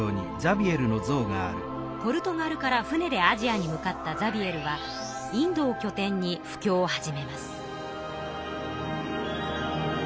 ポルトガルから船でアジアに向かったザビエルはインドをきょ点に布教を始めます。